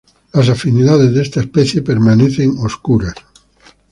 Las afinidades de esta especie permanecen oscuras.